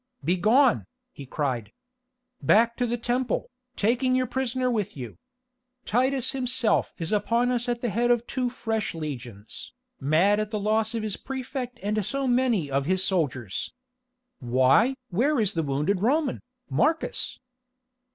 "Begone," he cried. "Back to the Temple, taking your prisoner with you. Titus himself is upon us at the head of two fresh legions, mad at the loss of his Prefect and so many of his soldiers. Why! where is the wounded Roman, Marcus?"